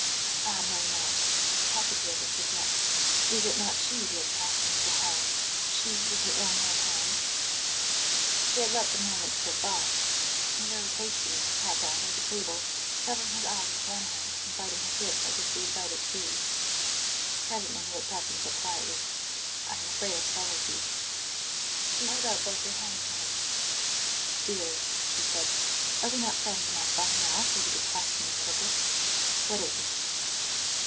Ah, no, no! How could he ever forget? Was it not she who had cast him into hell she, with her own right hand? She had let the moment slip by. He rose hastily and sat down by the table, covering his eyes with one hand and biting his lip as if he would bite it through. Presently he looked up and said quietly: "I am afraid I startled you." She held out both her hands to him. "Dear," she said, "are we not friends enough by now for you to trust me a little bit? What is it?"